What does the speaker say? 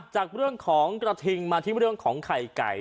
จากเรื่องของกระทิงมาที่เรื่องของไข่ไก่